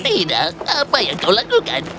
tidak apa yang kau lakukan